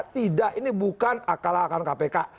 tidak ini bukan akal akalan kpk